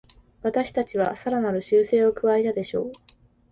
私たちはさらなる修正を加えたでしょう